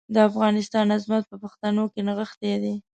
د افغانستان عظمت په پښتنو کې نغښتی دی.